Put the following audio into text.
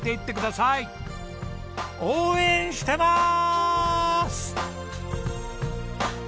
応援してまーす！